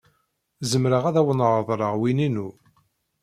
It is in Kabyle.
Zemreɣ ad awen-reḍleɣ win-inu.